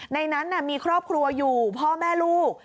ในนั้นมีครอบครัวอยู่พ่อแม่ลูก